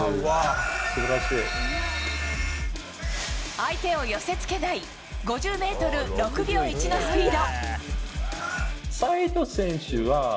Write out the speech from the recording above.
相手を寄せ付けない５０ｍ６秒１のスピード。